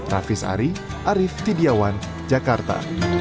raffis ari arief tidiawan jakarta